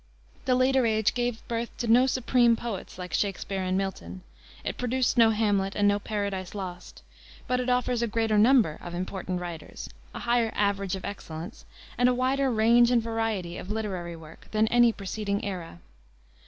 The later age gave birth to no supreme poets, like Shakspere and Milton. It produced no Hamlet and no Paradise Lost; but it offers a greater number of important writers, a higher average of excellence, and a wider range and variety of literary work than any preceding era.